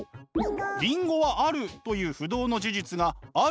リンゴはあるという不動の事実があるの道。